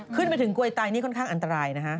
ขึ้นไปถึงกลวยไตนี่ค่อนข้างอันตรายนะฮะ